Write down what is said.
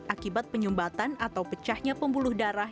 akibat penyumbatan atau pecahnya pembuluh darah